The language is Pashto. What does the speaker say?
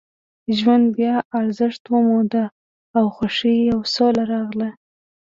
ژوند بیا ارزښت وموند او خوښۍ او سوله راغله